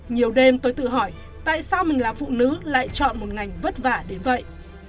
nhiều đêm tôi tự hỏi tại sao mình là phụ nữ lại chọn một ngành vất vả đến vậy